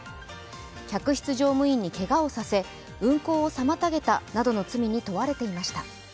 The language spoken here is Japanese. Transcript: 客室乗務員にけがをさせ、運航を妨げたなどの罪に問われていました。